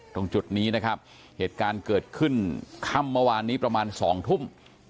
ตรงจุดนี้นะครับเหตุการณ์เกิดขึ้นค่ำเมื่อวานนี้ประมาณ๒ทุ่ม